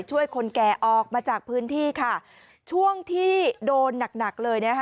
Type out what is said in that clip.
ช่วยคนแก่ออกมาจากพื้นที่ค่ะช่วงที่โดนหนักหนักเลยนะคะ